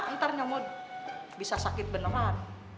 ntar nyamuk bisa sakit beneran